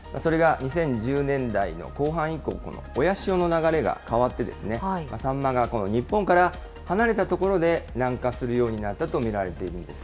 それが２０１０年代の後半以降、この親潮の流れが変わって、サンマが日本から離れた所で、南下するようになったと見られているんです。